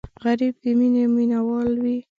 غریب د مینې مینهوال وي